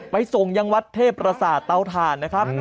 ไปส่งยังวัดเทพประสาทเตาถ่านนะครับ